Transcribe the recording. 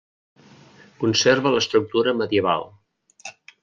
Conserva l'estructura medieval.